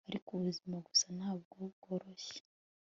ariko ubuzima gusa ntabwo bworoshye